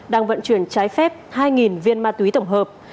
đang vận chuyển trái phép hai viên ma túy tổng hợp